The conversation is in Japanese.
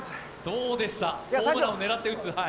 どうでした、ホームランを狙って打つのは。